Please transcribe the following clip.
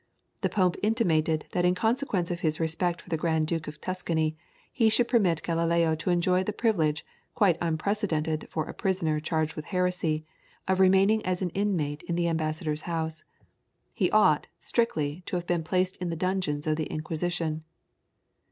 The Pope intimated that in consequence of his respect for the Grand Duke of Tuscany he should permit Galileo to enjoy the privilege, quite unprecedented for a prisoner charged with heresy, of remaining as an inmate in the ambassador's house. He ought, strictly, to have been placed in the dungeons of the Inquisition.